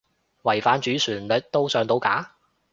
違反主旋律都上到架？